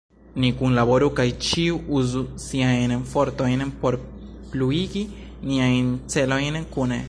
Ni kunlaboru kaj ĉiu uzu siajn fortojn por pluigi niajn celojn kune.